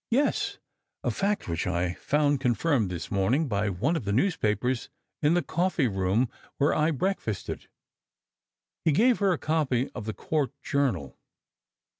" Yes ; a fact which I found confirmed this morning by one ol the newspapers in the coffee room where I breakfasted." He gave her a copy of the Court Journal.